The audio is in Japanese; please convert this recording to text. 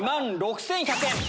２万６１００円。